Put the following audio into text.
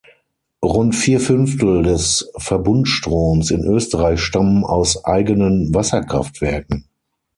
Rund vier Fünftel des Verbund-Stroms in Österreich stammen aus eigenen Wasserkraftwerken.